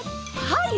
はい！